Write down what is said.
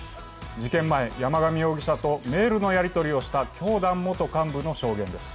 事件前、山上容疑者とメールのやり取りをした教団元幹部の証言です。